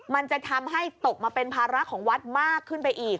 มันจะทำให้ตกมาเป็นภาระของวัดมากขึ้นไปอีก